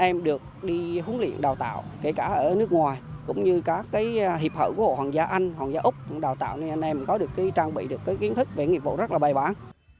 em được đi huấn luyện đào tạo kể cả ở nước ngoài cũng như các hiệp hội của hộ hoàng gia anh hoàng gia úc cũng đào tạo nên anh em có được trang bị được kiến thức về nghiệp vụ rất là bài bản